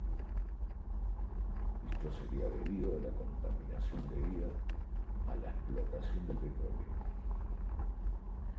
Esto sería debido a la contaminación debida a la explotación del petróleo.